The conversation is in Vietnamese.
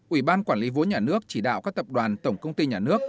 ủy ban quản lý vốn nhà nước chỉ đạo các tập đoàn tổng công ty nhà nước